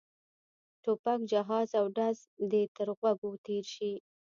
ټوپک جهاز او ډز دې تر غوږو تېر شي.